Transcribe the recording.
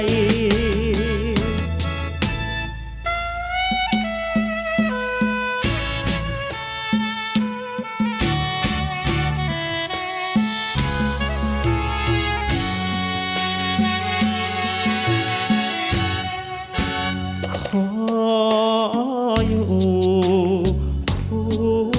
โอเคดีโอเคดีโอเคดีโอเคดีโอเคดี